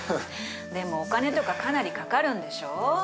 でもお金とかかなりかかるんでしょ？